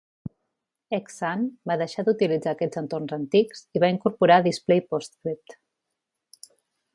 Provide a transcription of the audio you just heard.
Xsun va deixar d'utilitzar aquests entorns antics i va incorporar Display PostScript.